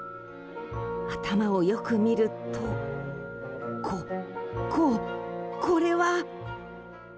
頭をよく見るとこ、こ、これは。